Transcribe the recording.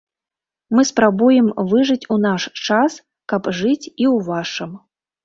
Мы спрабуем выжыць у наш час, каб жыць і ў вашым.